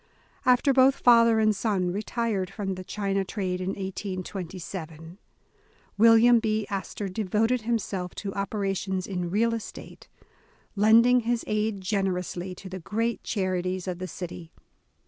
After both father and son retired from the China j trade in 1827, William B. Astor devoted himself to op erations in real estate, lending his aid generously, to the great charities of the city.